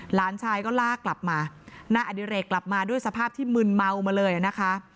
หลานชายก็ลากกลับมานายอดิเรกกลับมาด้วยสภาพที่มึนเมามาเลยนะคะ